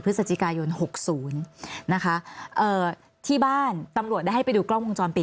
พฤศจิกายนหกศูนย์นะคะเอ่อที่บ้านตำรวจได้ให้ไปดูกล้องวงจรปิด